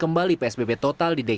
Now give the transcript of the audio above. masjid istiqlal juga akan ditutup